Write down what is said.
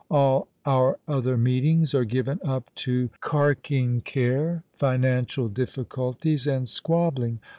All our other meetings are given up to cark ing care, financial difficulties, and squabbling.